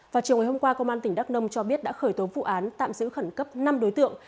vào chiều ngày hôm qua công an tỉnh đắk nông cho biết đã khởi tố vụ án tạm giữ khẩn cấp năm đối tượng